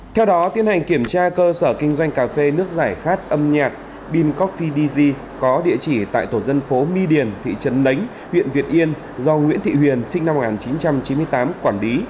theo đó tiến hành kiểm tra cơ sở kinh doanh cà phê nước giải khát âm nhạc bimcoffid có địa chỉ tại tổ dân phố my điền thị trấn nánh huyện việt yên do nguyễn thị huyền sinh năm một nghìn chín trăm chín mươi tám quản lý